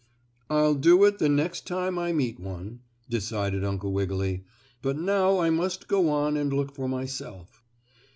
"I'll do it the next time I meet one," decided Uncle Wiggily. "But now I must go on and look for myself."